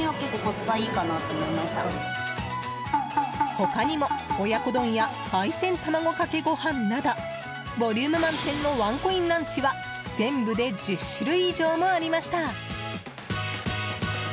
他にも親子丼や海鮮卵かけご飯などボリューム満点のワンコインランチは全部で１０種類以上もありました。